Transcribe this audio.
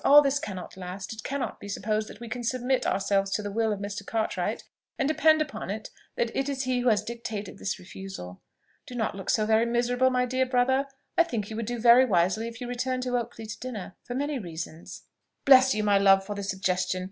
All this cannot last. It cannot be supposed that we can submit ourselves to the will of Mr. Cartwright: and depend upon it that it is he who has dictated this refusal. Do not look so very miserable, my dear brother! I think you would do very wisely if you returned to Oakley to dinner, for many reasons." "Bless you, love, for the suggestion!